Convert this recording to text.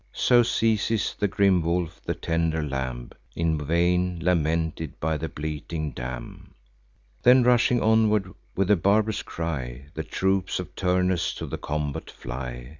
So seizes the grim wolf the tender lamb, In vain lamented by the bleating dam. Then rushing onward with a barb'rous cry, The troops of Turnus to the combat fly.